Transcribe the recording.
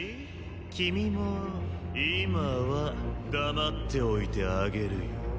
君も今は黙っておいてあげるよ。